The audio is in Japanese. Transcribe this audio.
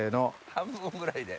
半分ぐらいで。